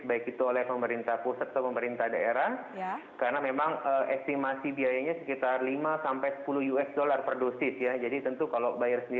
baik itu oleh pemerintah pusat pemerintah daerah ya karena memang asimasi biayanya sekitar lima sepuluh